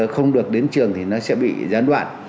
không được đến trường thì nó sẽ bị gián đoạn